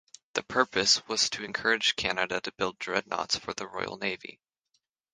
The purpose was to encourage Canada to build Dreadnoughts for the Royal Navy.